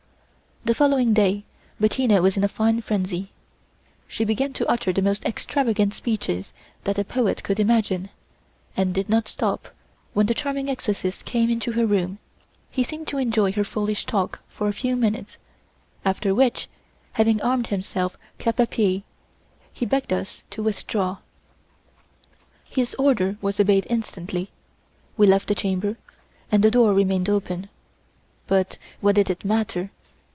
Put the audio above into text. The following day Bettina was in a fine frenzy. She began to utter the most extravagant speeches that a poet could imagine, and did not stop when the charming exorcist came into her room; he seemed to enjoy her foolish talk for a few minutes, after which, having armed himself 'cap a pie', he begged us to withdraw. His order was obeyed instantly; we left the chamber, and the door remained open. But what did it matter?